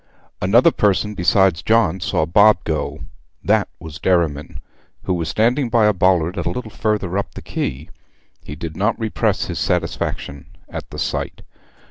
Another person besides John saw Bob go. That was Derriman, who was standing by a bollard a little further up the quay. He did not repress his satisfaction at the sight.